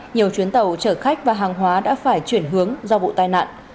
nhiều chuyến tàu chở khách và hàng hóa đã phải chuyển hướng do vụ tai nạn